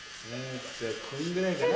こんぐらいかな？